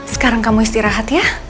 sekarang kamu istirahat ya